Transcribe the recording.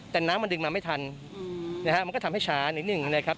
แต่น้ำมันดึงมาไม่ทันนะฮะมันก็ทำให้ช้านิดหนึ่งนะครับ